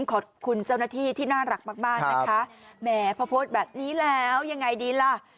ขอบคุณเจ้าหน้าที่ที่น่ารักมากมากนะคะแหมพอโพสต์แบบนี้แล้วยังไงดีล่ะ